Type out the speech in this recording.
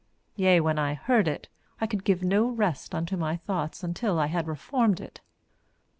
Yea, when I heard it, I could give no rest unto my thoughts until I had reformed it.